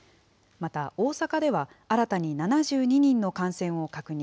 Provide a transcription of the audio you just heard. また大阪では新たに７２人の感染を確認。